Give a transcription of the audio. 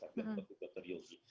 itu juga sakit itu juga keriosi